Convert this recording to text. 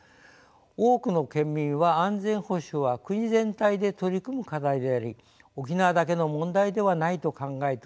多くの県民は安全保障は国全体で取り組む課題であり沖縄だけの問題ではないと考えております。